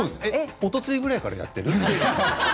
おとついぐらいからやっているの？